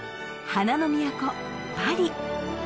花の都パリ